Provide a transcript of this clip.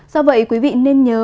do vậy quý vị nên nhớ